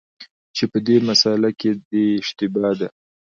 چي په دې مسأله کي دی اشتباه دی،